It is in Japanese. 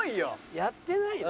やってないな。